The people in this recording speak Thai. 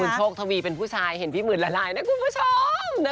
โชคทวีเป็นผู้ชายเห็นพี่หมื่นละลายนะคุณผู้ชม